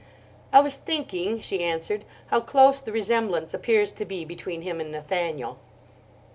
"I was thinking," she answered, "how close the resemblance appears to be between him and Nathaniel."